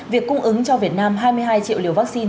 việc cung ứng cho việt nam hai mươi hai triệu liều vaccine